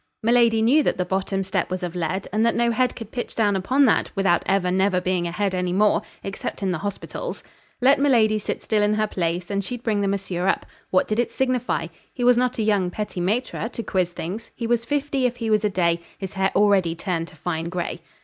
Miladi knew that the bottom step was of lead, and that no head could pitch down upon that, without ever never being a head any more, except in the hospitals. Let miladi sit still in her place and she'd bring the monsieur up. What did it signify? He was not a young petit maitre, to quiz things: he was fifty, if he was a day: his hair already turned to fine gray."